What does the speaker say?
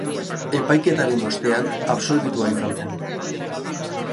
Epaiketaren ostean, absolbitua izan zen.